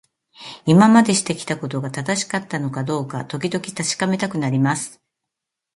今までしてきたことが正しかったのかどうか、時々確かめたくなります。